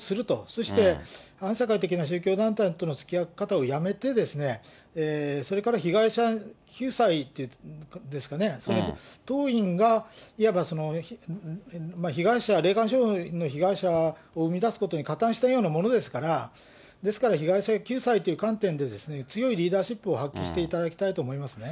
そして反社会的な宗教団体とのつきあい方をやめて、それから被害者救済ですかね、それを党員が、いわば被害者、霊感商法の被害者を生み出すことに加担したようなものですから、ですから、被害者救済という観点で、強いリーダーシップを発揮していただきたいと思いますね。